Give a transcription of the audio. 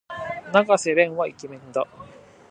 永瀬廉はイケメンだ。